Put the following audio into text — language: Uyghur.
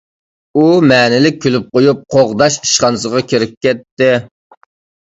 ئۇ مەنىلىك كۈلۈپ قويۇپ، قوغداش ئىشخانىسىغا كىرىپ كەتتى.